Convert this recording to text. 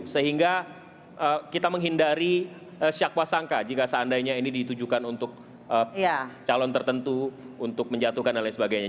sehingga kita menghindari syakwa sangka jika seandainya ini ditujukan untuk calon tertentu untuk menjatuhkan dan lain sebagainya